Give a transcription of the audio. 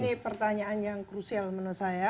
ini pertanyaan yang krusial menurut saya